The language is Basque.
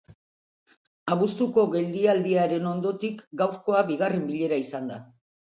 Abuztuko geldialdiaren ondotik, gaurkoa bigarren bilera izan da.